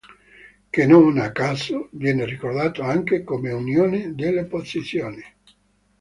Che, non a caso, viene ricordato anche come Unione delle opposizioni.